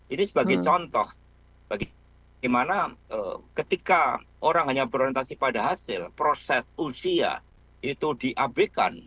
ini sebagai contoh bagi gimana ketika orang hanya berorientasi pada hasil proses usia itu diabekan